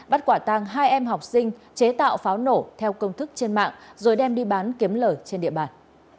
bắt quả tàng hai em học sinh chế tạo pháo nổ theo công thức trên mạng rồi đem đi bán kiếm lời trên địa bàn